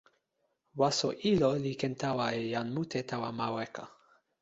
waso ilo li ken tawa e jan mute tawa ma weka.